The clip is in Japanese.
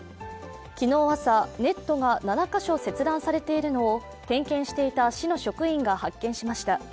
昨日朝、ネットが７カ所切断されているのを点検していた市の職員が発見しました。